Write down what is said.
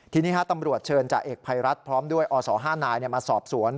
ทีนี้ตำรวจเชิญจ่าเอกภัยรัฐพร้อมด้วยอศ๕นายมาสอบสวน